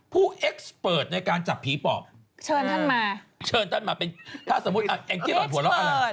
พ่อหมอบุญทรงปทุมชัยเป็นใคร